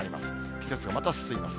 季節がまた進みます。